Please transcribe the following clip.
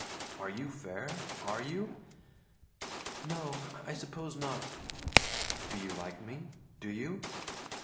Are you fair? Are you?" "No, I suppose not." "Do you like me? Do you?"